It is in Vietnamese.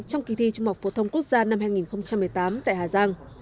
trong kỳ thi trung học phổ thông quốc gia năm hai nghìn một mươi tám tại hà giang